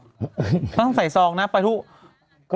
เขาต้องใส่ซองนะไปทุก